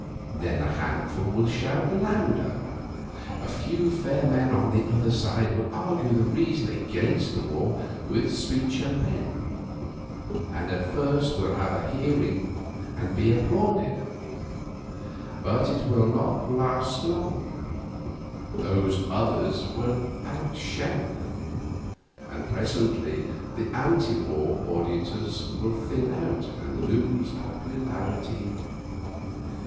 Then the handful will shout louder. A few fair men on the other side will argue and reason against the war with speech and pen, and at first will have a hearing and be applauded; but it will not last long; those others will outshout them, and presently the anti war audiences will thin out and lose popularity.